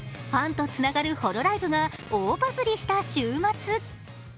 ファンとつながるホロライブが大バズりした週末。